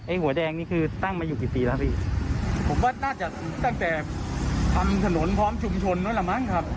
หัวแดงนี่คือตั้งมาอยู่กี่ปีแล้วพี่ผมว่าน่าจะตั้งแต่ทำถนนพร้อมชุมชนนู้นละมั้งครับ